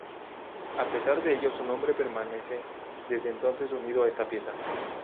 A pesar de ello, su nombre permanece desde entonces unido a esta pieza.